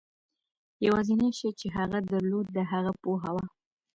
یوازېنی شی چې هغه درلود د هغه پوهه وه.